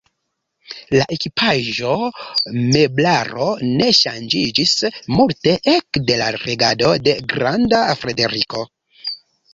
La ekipaĵo, meblaro ne ŝanĝiĝis multe ekde la regado de Granda Frederiko.